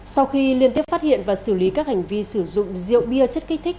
sau khi liên tiếp phát hiện và xử lý các hành vi sử dụng rượu bia chất kích thích